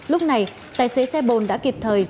lúc này tài xế xe bồn đã kịp thời